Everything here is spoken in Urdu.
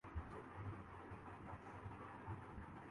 لیکن سامان جنگ تو ان کے ساتھ تھا۔